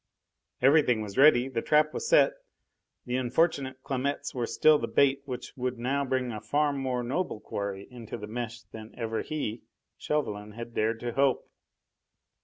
Everything was ready; the trap was set! The unfortunate Clamettes were still the bait which now would bring a far more noble quarry into the mesh than even he Chauvelin had dared to hope.